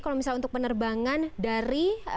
kalau misalnya untuk penerbangan dari